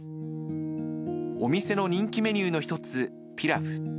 お店の人気メニューの一つ、ピラフ。